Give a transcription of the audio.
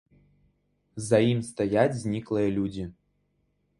За ім стаяць зніклыя людзі.